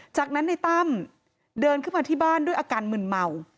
จากนั้นในตั้มเดินขึ้นมาที่บ้านด้วยอาการมึนเมา